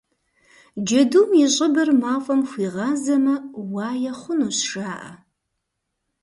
Джэдум и щӏыбыр мафӏэм хуигъазэмэ, уае хъунущ, жаӏэ.